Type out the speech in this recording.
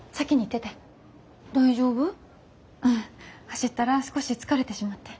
走ったら少し疲れてしまって。